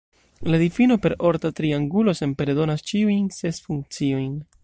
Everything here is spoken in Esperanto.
La difino per orta triangulo senpere donas ĉiujn ses funkciojn.